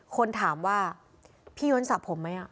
คนถามว่าพี่ย้อนสระผมไหม